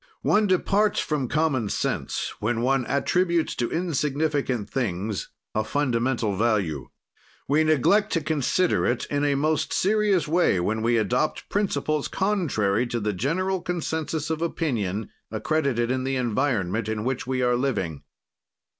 One departs from common sense when one attributes to insignificant things a fundamental value. We neglect to consider it in a most serious way when we adopt principles contrary to the general consensus of opinion accredited in the environment in which we are living.